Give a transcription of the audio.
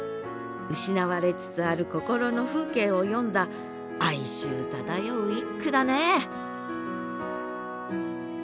失われつつある心の風景を詠んだ哀愁漂う一句だね